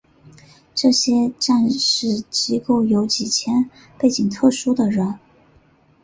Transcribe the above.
这些战时机构有几千名背景特殊的人。